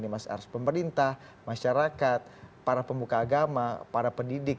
mas ars pemerintah masyarakat para pemuka agama para pendidik